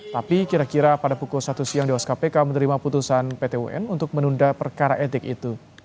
tapi kira kira pada pukul satu siang dewas kpk menerima putusan pt un untuk menunda perkara etik itu